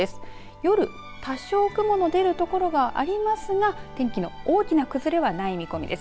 夜、多少雲の出る所がありますが天気の大きな崩れはない見込みです。